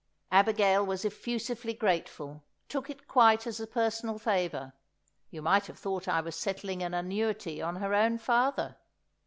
Abigail was effusively grateful, took it quite as a personal favour; you might have thought I was settling an annuity on her own father!